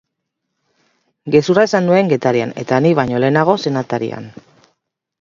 Gezurra esan nuen Getarian, eta ni baino lehenago zen atarian.